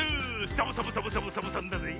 サボサボサボサボサボさんだぜ！